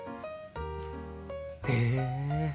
へえ。